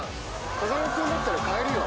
風間君だったら買えるよ。